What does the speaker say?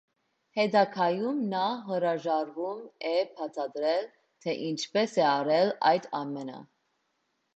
Հետագայում նա հրաժարվում է բացատրել, թե ինչպես է արել այդ ամենը։